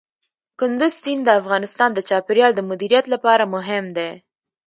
کندز سیند د افغانستان د چاپیریال د مدیریت لپاره مهم دی.